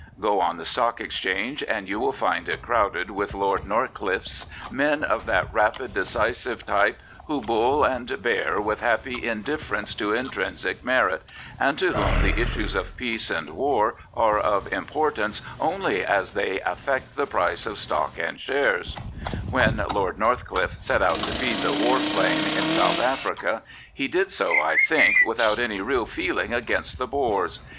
Go on the Stock Exchange and you will find it crowded with Lord 89 Prophets, Priests, and Kings Northcliffes, men of that rapid, decisive type who bull and bear with happy indifference to intrinsic merit, and to whom the issues of peace and war are of import ance only as they affect the price of stock and shares, " When Lord Northcliffe set out to feed the war flame in South Africa, he did so, I think, without any real feeling against the Boers.